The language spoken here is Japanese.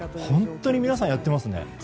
本当に皆さんやっていますね。